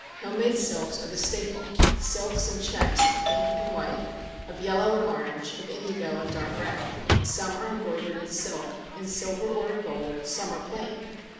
Home made silks are the staple silks in checks of pink and white, of yellow and orange, of indigo and dark red. Some are embroidered in silk, in silver, or in gold; some are plain.